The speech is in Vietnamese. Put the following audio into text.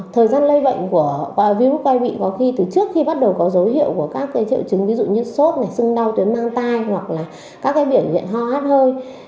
thời gian lây bệnh của virus quay bị có khi từ trước khi bắt đầu có dấu hiệu của các triệu chứng như sốt sưng đau tuyến mang tai hoặc là các biển viện ho hát hơi